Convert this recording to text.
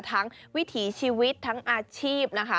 วิถีชีวิตทั้งอาชีพนะคะ